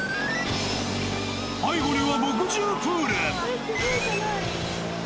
背後には墨汁プール。